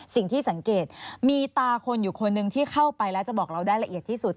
สิ่งที่สังเกตมีตาคนอยู่คนหนึ่งที่เข้าไปแล้วจะบอกเราได้ละเอียดที่สุด